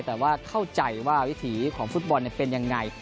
แต่ว่าเข้าใจว่าวิถีของฟุตบอลเป็นยังไง